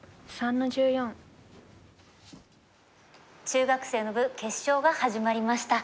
中学生の部決勝が始まりました。